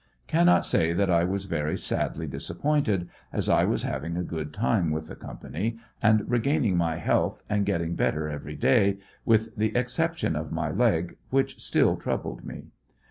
Cannot say that I was very sadly disappointed, as I was having a good time with the company, and regaining my health and getting better every day, with the exception of my leg, which still troubled me.